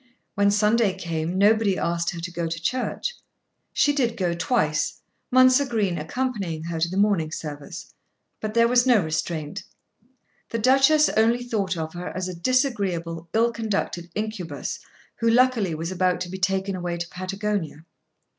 When Sunday came nobody asked her to go to church. She did go twice, Mounser Green accompanying her to the morning service; but there was no restraint. The Duchess only thought of her as a disagreeable ill conducted incubus, who luckily was about to be taken away to Patagonia.